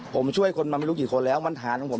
ผมช่วยคนมาไม่รู้กี่คนแล้วมันฐานของผม